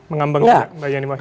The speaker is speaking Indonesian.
mengambang mbak yani wahid